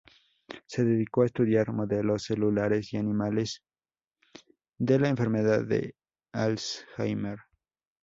Se dedicó a estudiar modelos celulares y animales de la enfermedad de Alzheimer.